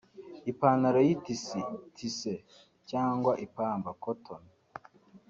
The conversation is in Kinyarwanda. ipantaro y’itisi (tissus) cyangwa y’ipamba (coton)